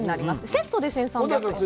セットで１３００円。